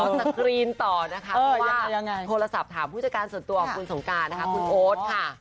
สกรีนต่อนะคะโทรศัพท์ถามผู้จัดการส่วนตัวของคุณสงการนะคะคุณโอ๊ตค่ะ